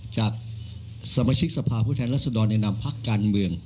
จากสมาชิกสภาพผู้แทนรัศดรแนะนำพักการเมือง